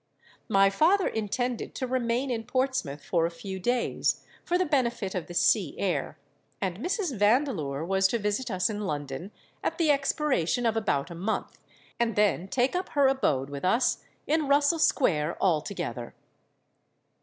My father intended to remain in Portsmouth for a few days, for the benefit of the sea air; and Mrs. Vandeleur was to visit us in London at the expiration of about a month, and then take up her abode with us in Russell Square altogether.